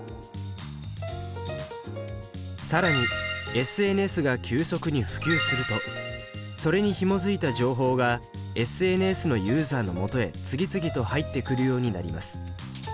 更にＳＮＳが急速に普及するとそれにひもづいた情報がＳＮＳのユーザーのもとへ次々と入ってくるようになります。